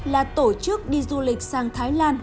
là tổ chức đi du lịch sang thái lan